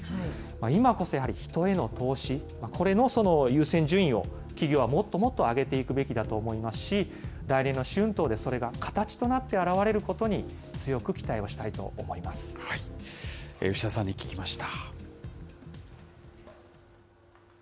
今こそやはり人への投資、これの優先順位を企業はもっともっと上げていくべきだと思いますし、来年の春闘でそれが形となって表れることに、強く期待をした牛田さんに聞きました。